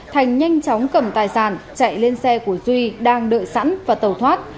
thành nhanh chóng cầm tài sản chạy lên xe của duy đang đợi sẵn và tàu thoát